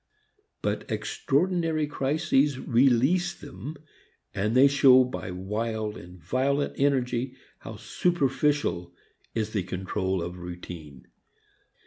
But extraordinary crises release them and they show by wild violent energy how superficial is the control of routine.